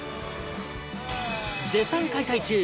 絶賛開催中